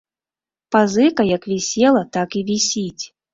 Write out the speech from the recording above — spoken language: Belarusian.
Пазыка як вісела, так і вісіць.